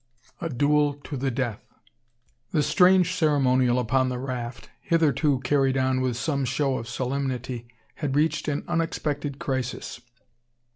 A DUEL TO THE DEATH. The strange ceremonial upon the raft, hitherto carried on with some show of solemnity, had reached an unexpected crisis.